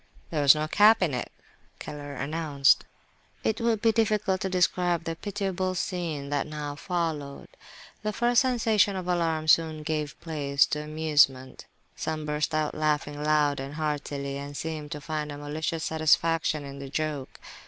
"There was no cap in it," Keller announced. It would be difficult to describe the pitiable scene that now followed. The first sensation of alarm soon gave place to amusement; some burst out laughing loud and heartily, and seemed to find a malicious satisfaction in the joke.